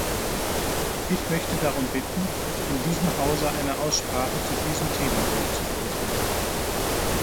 Ich möchte darum bitten, in diesem Hause eine Aussprache zu diesem Thema durchzuführen.